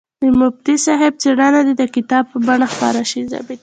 د مفتي صاحب څېړنه دې د کتاب په بڼه خپره شي.